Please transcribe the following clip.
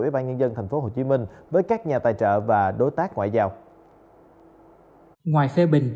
ủy ban nhân dân thành phố hồ chí minh với các nhà tài trợ và đối tác ngoại giao ngoài phê bình